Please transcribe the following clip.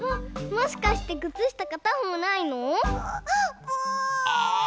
もしかしてくつしたかたほうないの？